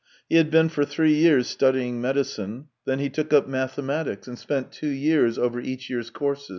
He had been for three years studying medicine. Then he took up mathematics, and spent two THREE YEARS 253 years over each year's course.